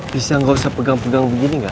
bisa gak usah pegang pegang begini gak